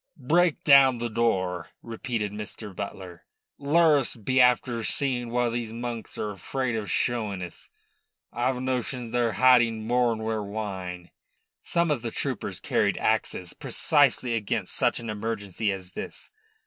"Break down the door," repeated Mr. Butler. "Lerrus be after seeing wha' these monks are afraid of showing us. I've a notion they're hiding more'n their wine." Some of the troopers carried axes precisely against such an emergency as this.